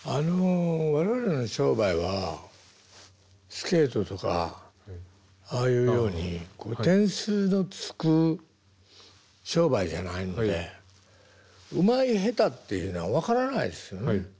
我々の商売はスケートとかああいうように点数のつく商売じゃないのでうまい下手っていうのは分からないですよね。